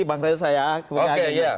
bangkanya saya kembali lagi